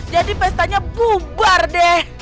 jadi pestanya bubar deh